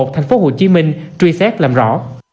thành phố hồ chí minh truy xét làm rõ